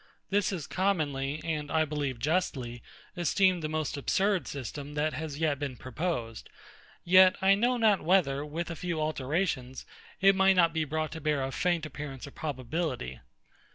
This is commonly, and I believe justly, esteemed the most absurd system that has yet been proposed; yet I know not whether, with a few alterations, it might not be brought to bear a faint appearance of probability.